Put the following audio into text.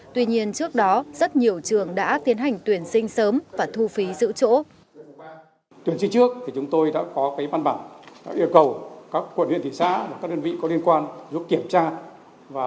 tuy nhiên trước đó rất nhiều trường đã tiến hành tuyển sinh sớm và thu phí giữ chỗ